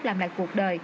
làm lại cuộc đời